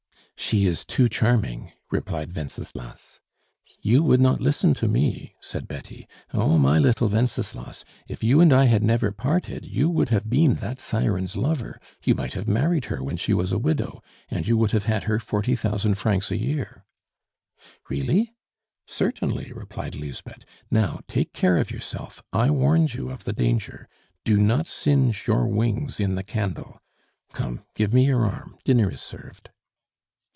"She is too charming," replied Wenceslas. "You would not listen to me," said Betty. "Oh! my little Wenceslas, if you and I had never parted, you would have been that siren's lover; you might have married her when she was a widow, and you would have had her forty thousand francs a year " "Really?" "Certainly," replied Lisbeth. "Now, take care of yourself; I warned you of the danger; do not singe your wings in the candle! Come, give me your arm, dinner is served."